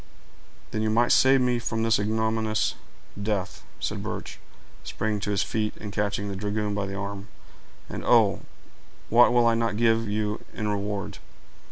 "Then you might save me from this ignominious death," said Birch, springing to his feet, and catching the dragoon by the arm. "And, oh! what will I not give you in reward!"